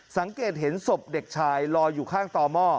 สังเกตเห็นศพเด็กชายลอยอยู่ข้างต่อหม้อ